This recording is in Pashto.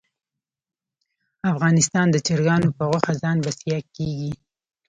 افغانستان د چرګانو په غوښه ځان بسیا کیږي